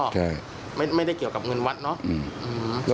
ใช่ไม่ได้เกี่ยวกับเงินวัดเนอะ